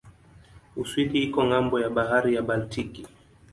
Uswidi iko ng'ambo ya bahari ya Baltiki.